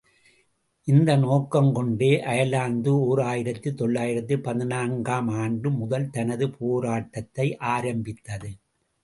இந்த நோக்கங் கொண்டே அயர்லாந்து ஓர் ஆயிரத்து தொள்ளாயிரத்து பதினான்கு ஆம் ஆண்டு முதல் தனது போராட்டத்தை ஆரம்பித்தது.